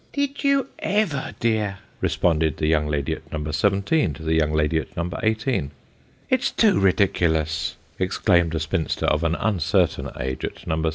"Did you ever, dear? " responded the young lady at No. 17 to the young lady at No. 18. " It's too ridiculous !" exclaimed a spinster of an rmcertain age, at No.